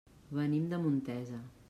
Venim de Montesa.